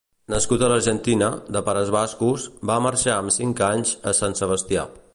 Nascut a l'Argentina, de pares bascos, va marxar amb cinc anys a Sant Sebastià.